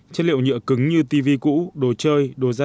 chất liệu nhựa cứng như tv cũ đồ chơi đồ da